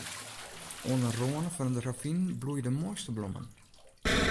Oan 'e râne fan it ravyn bloeie de moaiste blommen.